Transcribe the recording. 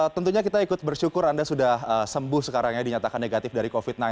tentunya kita ikut bersyukur anda sudah sembuh sekarang ya dinyatakan negatif dari covid sembilan belas